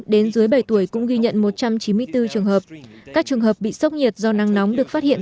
đến dưới bảy tuổi cũng ghi nhận một trăm chín mươi bốn trường hợp các trường hợp bị sốc nhiệt do nắng nóng được phát hiện